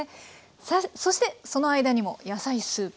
さあそしてその間にも野菜スープ。